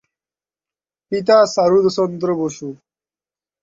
পিতা চারুচন্দ্র বসু।